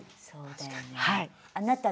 確かに。